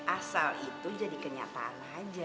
asal itu jadi kenyataan aja